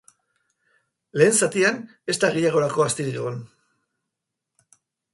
Lehen zatian ez da gehiagorako astirik egon.